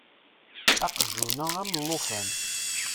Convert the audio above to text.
Aqjun-a am llufan.